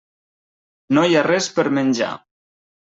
No hi ha res per menjar.